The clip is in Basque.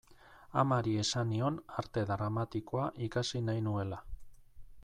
Amari esan nion Arte Dramatikoa ikasi nahi nuela.